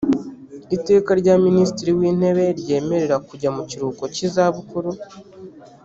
iteka rya minisitiri w intebe ryemerera kujya mu kiruhuko cy izabukuru